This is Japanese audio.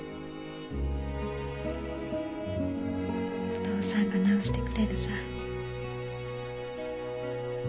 お父さんが治してくれるさぁ。